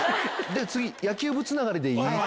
次野球部つながりで。